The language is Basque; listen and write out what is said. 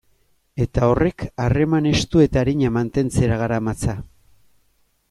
Eta horrek harreman estu eta arina mantentzera garamatza.